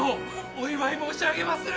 お祝い申し上げまする！